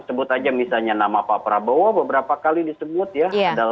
sebut aja misalnya nama pak prabowo beberapa kali disebut ya